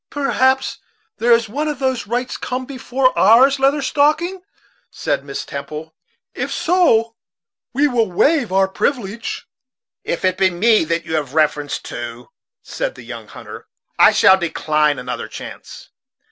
"Perhaps there is one whose rights come before ours, Leather Stocking," said Miss Temple. "If so, we will waive our privilege." "If it be me that you have reference to," said the young hunter, "I shall decline another chance.